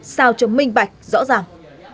sao cho minh bạch rõ ràng